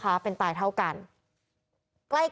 เพราะถูกทำร้ายเหมือนการบาดเจ็บเนื้อตัวมีแผลถลอก